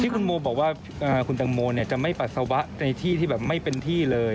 คุณโมบอกว่าคุณตังโมจะไม่ปัสสาวะในที่ที่แบบไม่เป็นที่เลย